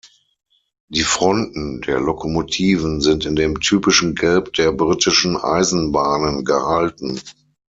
Die Fronten der Lokomotiven sind in dem typischen Gelb der britischen Eisenbahnen gehalten.